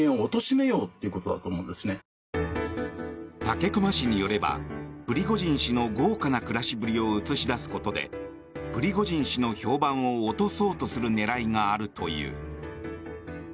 武隈氏によればプリゴジン氏の豪華な暮らしぶりを映し出すことでプリゴジン氏の評判を落とそうとする狙いがあるという。